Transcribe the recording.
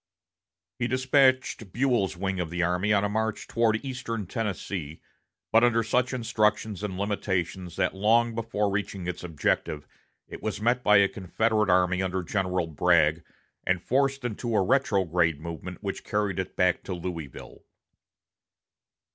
He despatched Buell's wing of the army on a march toward eastern Tennessee but under such instructions and limitations that long before reaching its objective it was met by a Confederate army under General Bragg, and forced into a retrograde movement which carried it back to Louisville.